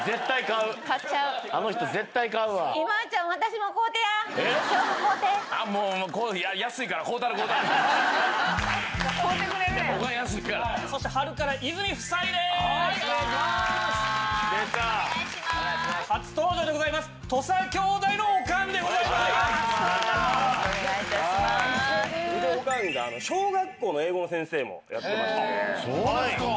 うちのおかんが小学校の英語の先生もやってまして。